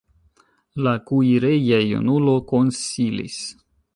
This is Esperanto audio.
La kuireja junulo konsilis.